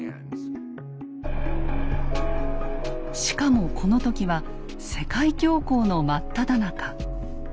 しかもこの時は世界恐慌の真っただ中。